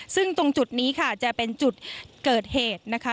ซึ่งตรงจุดนี้ค่ะจะเป็นจุดเกิดเหตุนะคะ